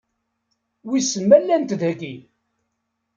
Wissen ma llant dagi?